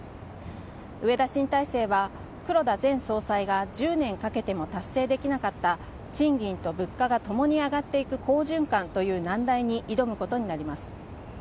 植田新体制は、黒田前総裁が１０年かけても達成できなかった、賃金と物価がともに上がっていく好循環という難題に挑むことになります。